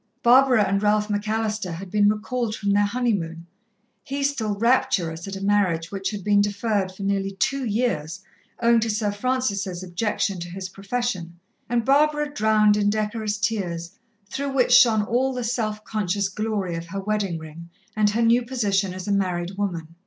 Barbara and Ralph McAllister had been recalled from their honeymoon he still rapturous at a marriage which had been deferred for nearly two years owing to Sir Francis' objection to his profession, and Barbara drowned in decorous tears, through which shone all the self conscious glory of her wedding ring, and her new position as a married woman.